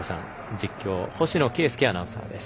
実況、星野圭介アナウンサーです。